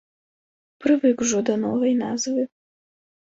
Прывык ужо да новай назвы.